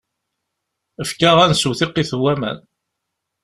Efk-aɣ ad nsew tiqit n waman.